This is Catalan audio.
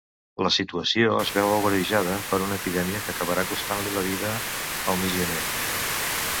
La situació es veu agreujada per una epidèmia que acabarà costant-li la vida al missioner.